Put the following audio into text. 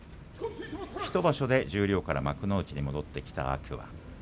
１場所で十両から幕内に戻ってきた天空海。